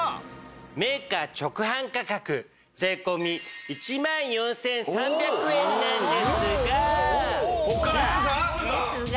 メーカー直販価格税込１万４３００円なんですが。ですが？ですが。